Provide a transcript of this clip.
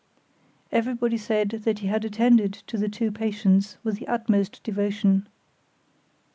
Everybody said that he had attended to the two patients with the utmost devotion.